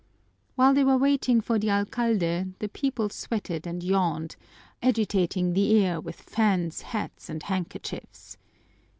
While they were waiting for the alcalde, the people sweated and yawned, agitating the air with fans, hats, and handkerchiefs.